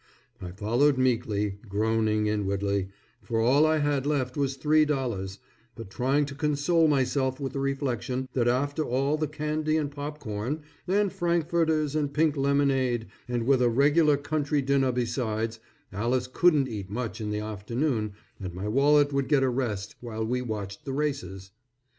I followed meekly, groaning inwardly, for all I had left was three dollars, but trying to console myself with the reflection that after all the candy and popcorn, and frankfurters, and pink lemonade, and with a regular country dinner besides, Alice couldn't eat much in the afternoon and my wallet would get a rest while we watched the races.